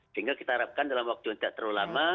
sehingga kita harapkan dalam waktu yang tidak terlalu lama